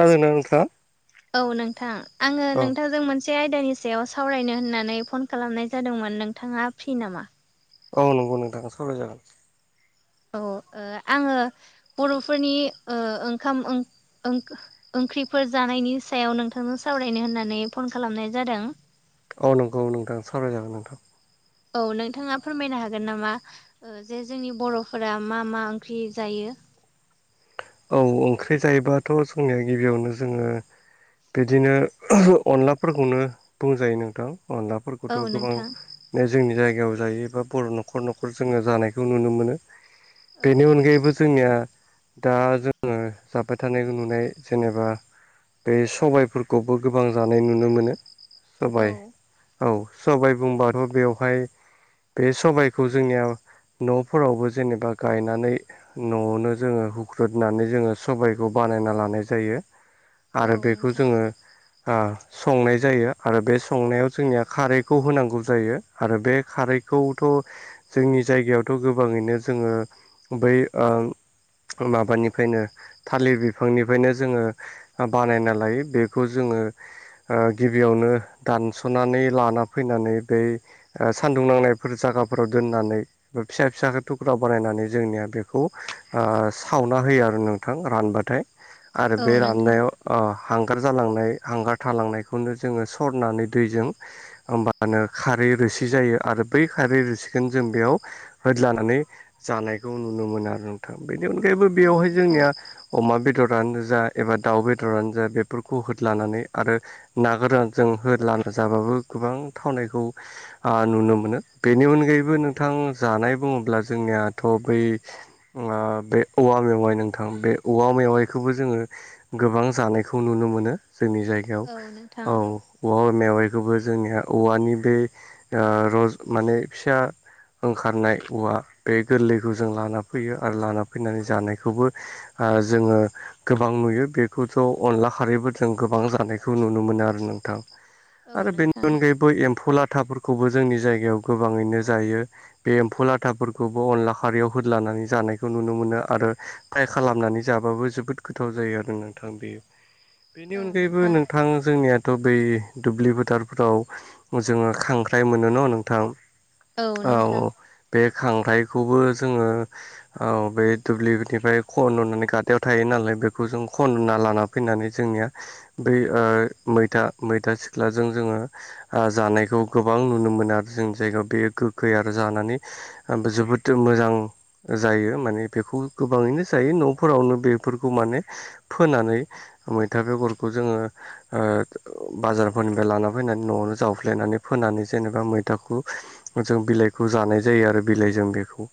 खोनादोंना नोंथाङा औ नोंथां आङो औ नोंथांजों मोनसे मोनसे आयदानि सायाव सावरायनो होननानै फन खालामनाय जादोंमोन नोंथाङा फ्रि नामा? औ नंगौ नोंथांगोन सावराय जागोन। औ आङो बर'फोरनि ओंखाम ओं ओं-ओंख्रिफोर जानायनि सायाव नोंथांजों सावरायनो होननानै फन खालामनाय जादों। औ नंगौ औ नोंथां सावराय जागोन नोंथां। औ नोंथाङा फोरमायनो हागोन नामा ओ जे जोंनि बर'फोरा मा मा ओंख्रि जायो। औ ओंख्रि जायोबाथ' जोंनिया गिबियावनो जोङो बिदिनो अनलाफोरखौनो बुंजायो नोंथां अनलाफोरखौ औ खौथ' नोंथां गोबां जोंनि जायगायाव जायो बा बर' न'खर न'खर जोङो जानायखौ नुनो मोनो। औ बेनि अनगायैबो जोंनिया दा जोङो जाबाय थानायखौ नुनाय जेनेबा बे सबायफोरखौबो गोबां जानाय नुनो मोनो औ सबाय औ सबाय बुंबाथ' बेवहाय बे सबाइखौ जोंनियाव न'फोरावबो जेनेबा गायनानै न'आवनो जोङो हुख्रुदनानै जोङो सबायखौ बानायना लानाय जायो औ आरो बेखौ नोंथां जोङो आ संनाय जायो आरो बे संनायाव जोंनिया खारैखौ होनांगौ जायो आरो बे खारैखौथ' जोंनि जायगायावथ' गोबाङैनो जोङो बै ओ माबानिफ्रायनो थालिर बिफांनिफ्रायनो जोङो आ बानायना लायो बेखौ जोङो ओ गिबियावनो दानस'नानै लाना फैनानै बै ओ सान्दुं नांनायफोर जायगाफोराव दोननानै फिसा फिसाखौ थुख्राव बानायनानै जोंनिया बेखौ आ सावना होयो आरो नोंथां रानबाथाय आरो औ बे नोंथां राननायाव आ‌ हांगार जालांनाय हांगार थालांनायखौनो जोङो सरनानै दैजों होमबानो खारै रोसि जायो आरो बै खारै रोसिखौनो जों बेयाव होदलानानै जानायखौ नुनो मोनो आरो नोंथां बेनि अनगायैबो औ बेयावहाय नोंथां जोंनिया। अमा बेदरानो जा एबा दाउ बेदरानो जा बेफोरखौ होद लानानै आरो ना गोरानजों होलाना जाबाबो गोबां थावनायखौ ओ नुनो मोनो बेनि अनगायैबो नोंथां जानाय बुङोब्ला जोंनियाथ' बै ओमङा बे औवा मेवाइ नोंथां बे औवा मेवाइखौबो जोङो गोबां जानायखौ नुनो मोनो जोंनि जायगायाव औ नोंथां औ औवा मेवाइखौबो जोंनिया औवानि बे ओ रज माने फिसा ओंखारनाय औवा बे गोरलैखौ जों लाना फैयो आरो लाना फैनानै जानायखौबो ओ जोङो गोबां नुयो बेखौथ' अनला खारैबो जों गोबां जानायखौ नुनो मोनो आरो नोंथां। औ आरो बेनि नोंथां अनगायैबो एम्फौ लाथाफोरखौबो जोंनि जायगायाव गोबाङैनो जायो। बे एम्फौ लाथाफोरखौबो अनला खारैयाव होलानानै जानायखौ नुनो मोनो आरो फ्राय खालामनानै जाबाबो जोबोद गोथाव जायो आरो नोंथां बेयो। बेनि अनगायैबो नोंथां जोंनिया थ' बै दुब्लि फोथारफोराव जोङो खांख्राइ मोनो न' नोंथां। औ बे खांख्राइखौबो जोङो औ बे दुब्लिनिफ्राय खनुनानै गदायाव थायो नालाय बेखौ जों खनुना लाना फैनानै जोंनिया बै ओ मैथा मैथा सिख्लाजों जोङो जानायखौ गोबां नुनो मोनो आरो जोंनि जायगायाव बेयो गोखै आरो जानानै ओब जोबोद मोजां जायो माने बेखौ गोबाङैनो जायो न'फोरावनो बेफोरखौ माने फोनानै मैथा बेगरखौ जोङो ओ बाजारफोरनिफ्राय लाना फैनानै न'आवनो जावफ्लेनानै फोनानै जेनेबा मैथाखौ जों बिलाइखौ जानाय जायो आरो बिलाइ जों बेखौ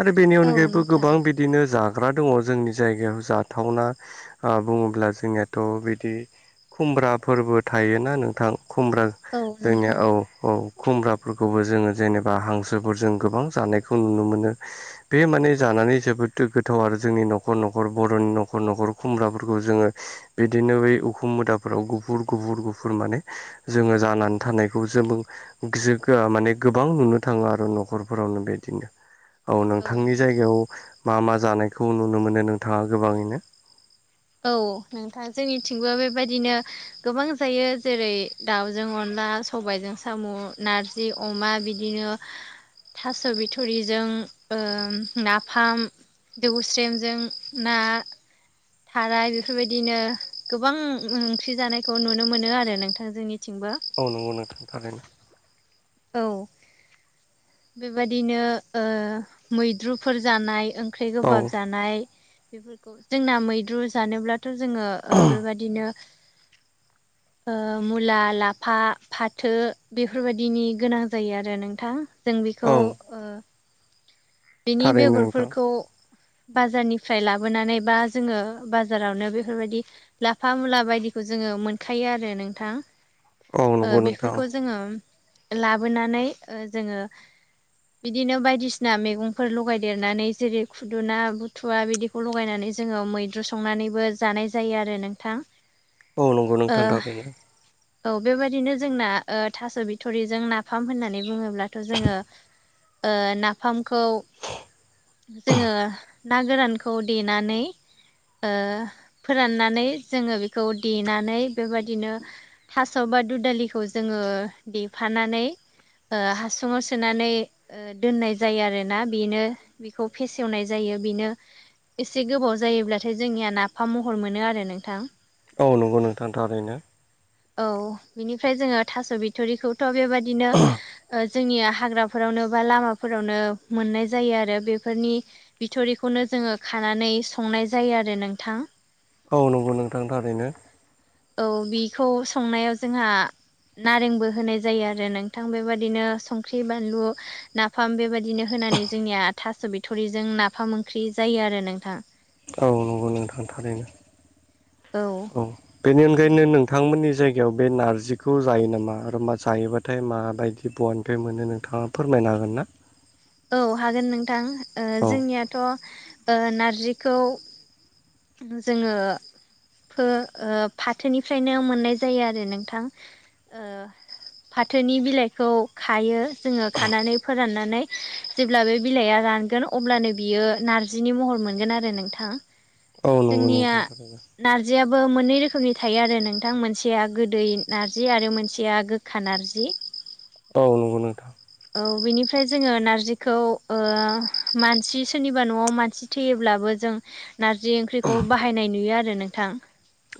आरो बेनि औ अनगायैबो नोंथां गोबां बिदिनो जाग्रा दङ जोंनि जायगायाव जाथावना। ओ बुङोब्ला जोंनिथ' बिदि खुम्ब्रा फोरबो थायोना नोंथां खुमब्रा औ जोंनिया नोंथां औ औ खुमब्राफोरखौबो जोङो जेनेबा हांसोफोरजों गोबां जानायखौ नुनो मोनो। बे माने जानानै जोबोदथ गोथाव आरो जोंनि न'खर न'खर बर'नि न'खर न'खर खुमब्राफोरखौ जोङो बिदिनो बै उखुम मोदाफोराव गुफुर गुफुर गुफुर माने जोङो जानानै थानायखौ जोब एसे गोबां नुनो थाङो आरो न'खरफोरावनो बेदिनो औ नोंथांनि जायगायाव मा मा जानायखौ नुनो मोनो नोंथाङा गोबाङैनो। औ नोंथां जोंनिथिंबो बेबायदिनो गोबां जायो जेरै दाउजों अनला सबायाइजों साम' नारज जि अमा बिदिनो थास' बिथुरिजों नाफाम। देवस्रेमजों ना। थाराय बेफोरबायदिनो गोबां ओंख्रि जानायखौ नुनो मोनो आरो नोंथां जोंनिथिंबो। औ नंगौ नोंथां। औ बेबाददिनो ओ मैद्रुफोर जानाय ओंख्रि औ गोबाब जानाय जोंना मैद्रु जानोब्ला थ' जोङो ओ बेबादिनो मुला लाफा फाथो बेफोरबायदिनि गोनां जायो आरो नोंथां जों औ बेखौ बिनि थारैनो नोंथां बेगरफोरखौ बाजारनिफ्राय लाबोनानै बा जोङो बाजारावनो बेफोरबायदि लाफा मुला बायदिखौ जोङो मोनखायो आरो नोंथां। औ नंगौ नोंथां बेफोरखौ जोङो लाबोनानै जोङो बिदिनो बायदिसिना मैगं फोर लगायदेरनानै जेरै खुदुना बुथुवा बिदिखौ लगायनानै जोङो मैद्रु संनानैबो जानाय जायो आरो नोंथां औ नंगौ ओ नोंथां थारैनो औ बेबायदिनो जोंना ओ थास' बिथ'रिजों नाफाम होननानै बुङोब्लाथ' जोङो ओ नाफामखौ जोङो ना गोरानखौ देनानै फोराननानै जोङो बेखौ देनानै बेबायदिनो थास' बा दु दालिखौ जोङो देफानानै ओ हासुङाव सोनानै दोननाय जायो आरो ना बेनो बेखौ फेसेवनाय जायो बेनो एसे गोबाव जायोब्लाथाय जोंनिया नाफाम महर मोनो आरो नोंथां औ नंगौ नोंथां ओरैनो औ बिनिफ्राय जोङो थास' बिथरिखौथ' बेबाददिनो ओ जोंनिया हाग्राफोरावनो बा लामाफोरावनो मोननाय जायो आरो बेफोरनि बिथ'रिखौनो जोङो खानानै संनाय जायो आरो नोंथां औ नंगौ नोंथांनि थाखायैनो औ बेखौ संनायाव जोंहा नारेंबो होनाय जायो आरो नोंथां बेबायादिनो संख्रि बानलु नाफाम बेबायदिनो होनानै जोंनिया थास' बिथरिजों नाफाम ओंख्रि जायो आरो नोंथां औ नंगौ नोंथां थारैनो औ बेनि अनगायैनो नों थांमोननि जायगायाव बे नारजिखौ जायो नामा आरोा जायोबाथाय माबायदि बहानिफ्राय मोनो नोंथाङा फोरमायनो हागोन ना? औ हागोन नोंथां औ जोंनियाथ' ओ नारजिखौ जोङो फो ओ फाथोनिफ्रायनो मोननाय जायो आरो नोंथां ओ फाथोनि बिलाइखौ खायो जोङो खानानै फोराननानै जेब्ला बे बिलाइया रानगोन अब्लानो बियो नारजिनि महर मोनगोन आरो नोंथां औ नंगौ जोंनिया नोंथां थारैनो नार्जियाबो मोननै रोखोमनि थायो आरो नोंथां मोनसेया गोदै नारजि आरो मोनसेया गोखा नारजि औ नंगौ नोंथां औ बेनिफ्राय जोङो नारजिखौ ओ मानसि सोरनिबा न'आव मानसि थैयोब्लाबो जों नारजि ओंख्रिखौ बाहायनाय नुयो आरो नोंथां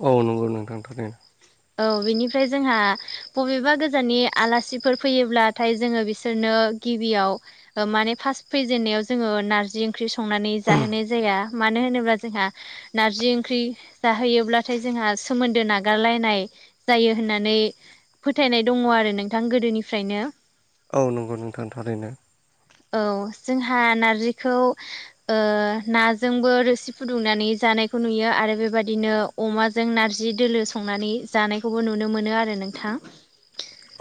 औ नंगौ नोंथां थारैनो औ बेनिफ्राय जोंहा बबेबा गोजाननि आलासिफोर फैयोब्लाथाय जोङो बिसोरनो गिबियाव ओ माने फास फैजेननायाव जोङो नारजि ओंख्रि संनानै जाहोनाय जाया मानो होनोब्ला जोंहा नारजि ओंख्रि जाहैयोब्लाथाय जोंहा सोमोन्दो नागारलायनाय जायो होननानै फोथायनाय दङ आरो नोंथां गोदोनिफ्रायनो औ नंगौ नोंथां थारैनो औ जोंहा नारजिखौ ओ नाजोंबो रोसि फुदुंनानै जानायखौ नुयो आरो बेबादिनो अ अमाजों नारजि दोलो संनानै जानायखौबो नुनो मोनो आरो नोंथां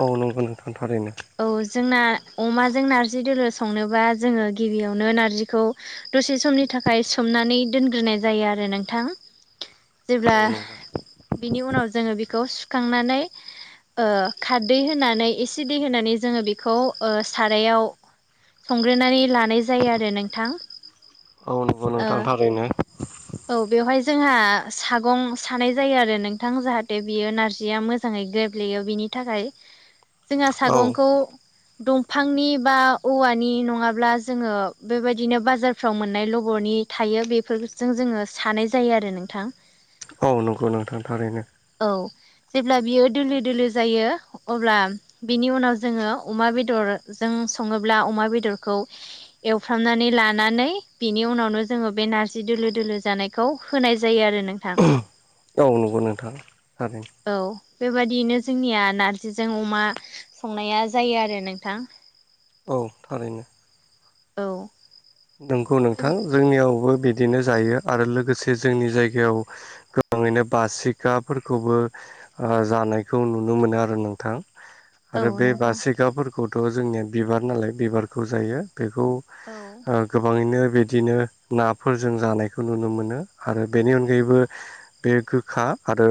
औ नंगौ नोंथां थारैनो औ जोंना अमाजों नारजि दोलो संनोबा जोङो गिबियावनो नारजिखौ दसे समनि थाखाय सोमनानै दोनग्रोनाय जायो आरो नोंथां औ जेब्ला नंगौ बिनि उनाव जोङो बेखौ सुखांनानै ओ खारदै होनानै एसे दै होनानै जोङो बेखौ ओ सारायाव संग्रोनानै लानाय जायो आरो नोंथां औ नंगौ ओ नोंथां थारैनो औ बेवहाय जोंहा सागं सानाय जायो आरो नोंथां। जाहाथे बियो नारजिया मोज मोजाङै गेब्लेयो बिनि थाखाय जोंहा सागंखौ दंफांनि बा औवानि नङाब्ला जोङो बेबायदिनो बाजारफ्राव मोननाय लबरनि थायो बेफोरजों जोङो सानाय जायो आरो नोंथां। औ नंगौ नोंथां थारैनो। औ जेब्ला बियो दोलो दोलो जायो अब्ला बिनि उनाव जोङो अमा बेदरजों सङोब्ला अमा बेदरखौ एवफ्रामनानै लानानै बिनि उनावनो जोङो बे नारजि दोलो दोलो जानायखौ खौ होनाय जायो आरो नोंथां। औ नंगौ नोंथां थारैनो। औ बेबादियैनो जोंनिया नारजिजों अमा संनाया जायो आरो नोंथां। औ थारैनो। औ। नोंगौ नोंथां जोंनियावबो बिदिनो जायो आरो लोगोसे जोंनि जायगायाव गोबाङैनो बासिखाफोरखौबो ओ जानायखौ नुनो मोनो आरो नोंथां। औ आरो बे नोंथां बासिखाफोरखौथ' जोंनिया बिबार नालाय बिबारखौ जायो बेखौ औ। गोबाङैनो बिदिनो नाफोर जों जानायखौ नुनो मोनो आरो बेनि अनगायैबो बे गोखा आरो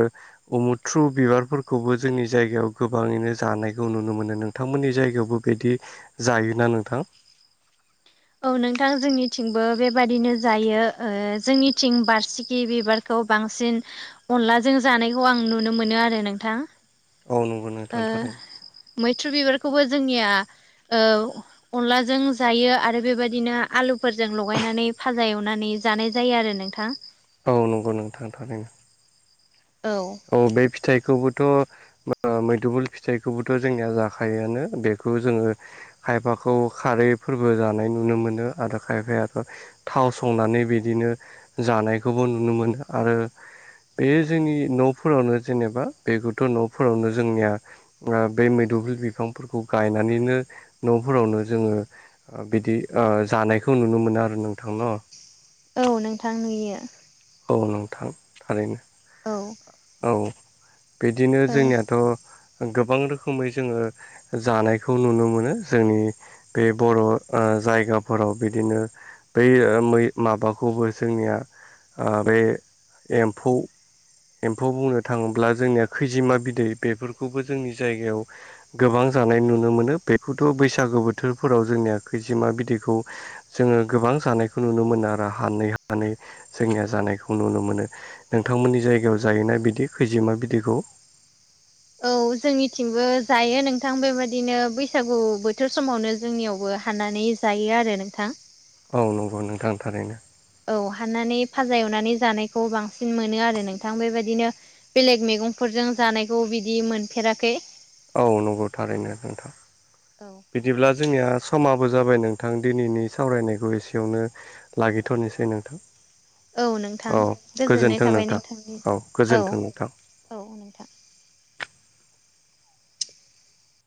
अ मुथ्रु बिबारफोरखौबो जोंनि जायगायाव गोबाङैनो जानायखौ नुनो मोनो नों नोंथांमोननि जायगायावबो बिदि जायोना नोंथां? औ नोंथां जोंनिथिंबो बेबादिनो जायो। ओ जोंनिथिं बारसिखि बिबारख खौ बांसिन अनलाजों जानायखौ आं नुनो मोनो आरो नोंथां। औ नंगौ ओ नोंथां थांरैनो। मैथ्रु बिबारखौबो जोंनिया ओ अनलाजों ओ जायो आरो बेबायदिनो आलुफोरजों लगायनानै भाजा एवनानै जानाय जायो आरो नोंथां। औ नंगौ नों थारैनो। औ। औ बे फिथाइखौबोथ ओ मैदुफुल फिथाइखौबोथ जोंनिया जाखायोआनो बेखौ जोङो खायफाखौ खारै फोरबो जानाय नुनो मोनो आरो खायफायाथ' थाव संनानै बिदिनो जानायखौबो नुनो मोनो आरो बे जोंनि न'फोरावनो जेनेबा बे गथ' न'फोरावनो जोंनिया फोरा बे मैदफल बिफांफोरखौ गायनानैनो न'फोरावनो जोङो बिदि ओ जानायखौ नुनो मोनो आरो नोंथांनाव। औ नोंथां नुयो। औ नोंथां थारैनो। औ। औ बिदिनो ओ जोंनियाथ' गोबां रोखोमै जोङो जानायखौ नुनो मोनो जोंनि बे बर' ओ जायगाफोराव बिदिनो बै ओ मै माबाखौबो जोंनिया ओ बे एम्फौ एम्फौ बुंनो थाङोब्ला जोंनिया खैजिमा बिदै बेफोरखौबो जोंनि जायगायाव गोबां जानाय नुनो मोनो। बेखौथ' बैसागो बोथोरफोराव जोंनिया खैजिमा बिदैखौ जोङो गोबां जानायखौ नुनो मोनो आरो हानै हानै। जोंनिया जानायखौ नुनो मोनो। नोंथांमोननि जायगायाव जायोना बिदि खैजेमा बिदैखौ? औ जोंनिथिंबो जायो नोंथां। बेबादिनो बैसागु बोथोर समावनो जोंनियावबो फाननानै जायो आरो नोंथां। औ नंगौ नोंथांथारैनो। औ हाननानै फाजा एवनानै जानायखौ बांसिन मोनो आरो नोंथां बेबायदिनो बेलेग मैगंफोरजों जानायखौ बिदि मोनफेराखै औ नंगौ थारैनो नोंथां। औ बिदिब्ला जोंनिया समाबो जाबाय नोंथां दिनैनि सावरायनायखौ एसेयावनो लागैथ'नोसै नोंथां। औ नोंथां औ गोजोननाय गोजोन्थों थाबाय नोंथां औ नोंथांनिसिम औ गोजोन्थों नोंथां औ नोंथां।